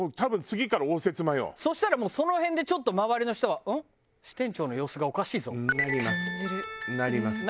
そしたらもうその辺でちょっと周りの人は「うん？支店長の様子がおかしいぞ」。なりますなります。